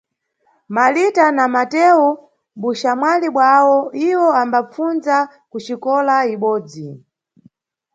Malita na Matewu mbuxamwali bwawo, iwo ambapfundza kuxikola ibodzi